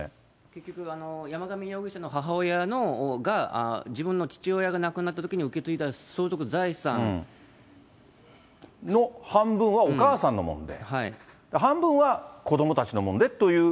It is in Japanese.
結局、山上容疑者の母親が、自分の父親が亡くなったときに受け継いだ相続財産。の半分はお母さんのもので、半分は子どもたちのものでという。